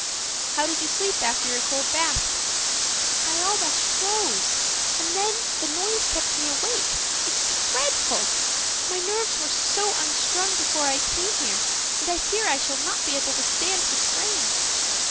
"How did you sleep after your cold bath?" "I almost froze, and then the noise kept me awake. It's dreadful! My nerves were so unstrung before I came here, and I fear I shall not be able to stand the strain."